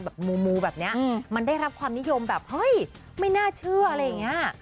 มูแบบนี้มันได้รับความนิยมแบบเฮ้ยไม่น่าเชื่ออะไรอย่างนี้